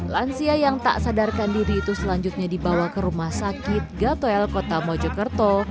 lansia yang tak sadarkan diri itu selanjutnya dibawa ke rumah sakit gatoel kota mojokerto